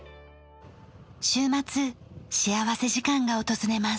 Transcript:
週末幸福時間が訪れます。